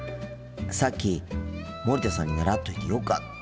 さっき森田さんに習っといてよかった。